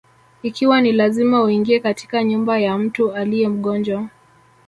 Ikiwa ni lazima uingie katika nyumba ya mtu aliye mgonjwa: